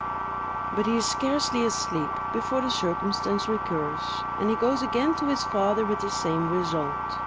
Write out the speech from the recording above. But he is scarcely asleep, before the circumstance recurs, and he goes again to his father with the same result.